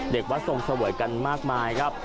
เด็กวัดทรงเสวยกันมากมายครับ